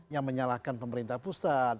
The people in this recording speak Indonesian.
yang menyalahkan pemerintah pusat